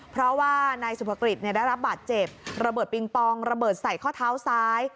เพราะว่านายสุภกฤษได้รับบาดเจ็บระเบิดปิงปองระเบิดใส่ข้อเท้าซ้าย